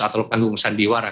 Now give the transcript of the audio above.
atau pengungsan di warah